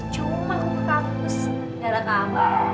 cuma aku ke kampus gara kamu